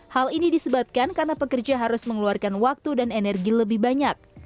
hal ini disebabkan karena pekerja harus mengeluarkan waktu dan energi lebih banyak